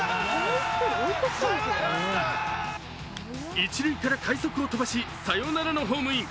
一塁から快足を飛ばしサヨナラのホームイン。